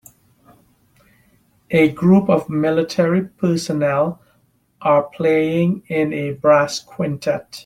A group of military personnel are playing in a brass quintet.